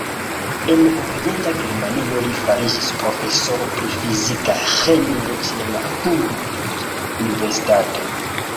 En Orienta Germanio li fariĝis profesoro pri fizika ĥemio ĉe la Humboldt-universitato.